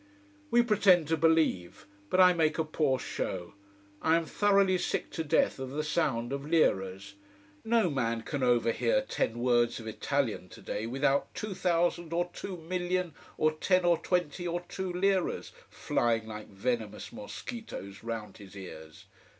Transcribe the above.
We pretend to believe: but I make a poor show. I am thoroughly sick to death of the sound of liras. No man can overhear ten words of Italian today without two thousand or two million or ten or twenty or two liras flying like venomous mosquitoes round his ears.